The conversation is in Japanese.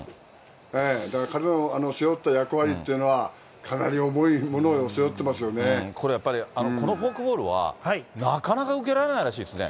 だから彼の背負った役割というのは、かなり重いものを背負ってまこれやっぱり、このフォークボールは、なかなか受けられないらしいですね。